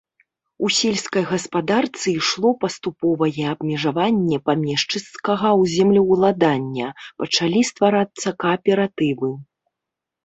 У сельскай гаспадарцы ішло паступовае абмежаванне памешчыцкага землеўладання, пачалі стварацца кааператывы.